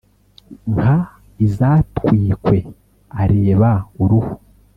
nka izatwikwe areba Uruhu